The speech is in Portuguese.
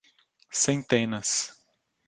Centenas.